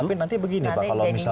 tapi nanti begini pak